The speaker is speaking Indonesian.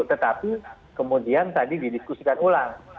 tetapi kemudian tadi didiskusikan ulang